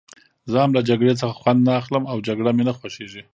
زه هم له جګړې څخه خوند نه اخلم او جګړه مې نه خوښېږي.